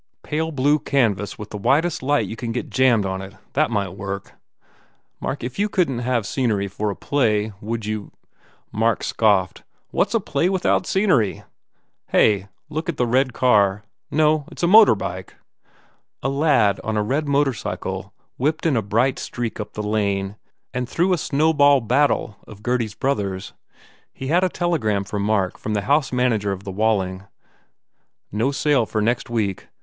"Pale blue canvas with the whitest light you can get jammed on it. That might work." "Mark, if you couldn t have scenery for a play would you " Mark scoffed, "What s a play without scenery? Hey, look at the red car. .. No, it s a motor bike." A lad on a red motorcycle whipped in a bright streak up the lane and through a snow ball battle of Gurdy s brothers. He had a telegram for Mark from the house manager of the Walling: "No sale for next week.